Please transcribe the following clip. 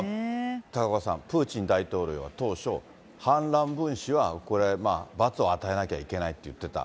高岡さん、プーチン大統領は当初、反乱ぶんしは、これ、罰を与えなきゃいけないと言ってた。